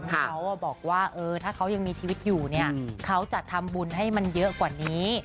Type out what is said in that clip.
เขาบอกว่าถ้าเขายังมีชีวิตอยู่เนี่ยเขาจะทำบุญให้มันเยอะกว่านี้